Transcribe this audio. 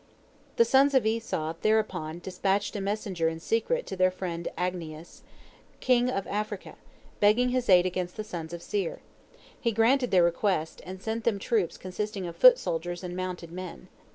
The sons of Esau thereupon dispatched a messenger in secret to their friend Agnias, king of Africa, begging his aid against the sons of Seir. He granted their request, and sent them troops consisting of foot soldiers and mounted men.